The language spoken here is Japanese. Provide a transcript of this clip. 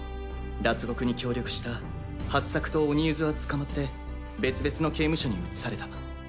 脱獄に協力した八朔と鬼柚子は捕まって別々の刑務所に移された。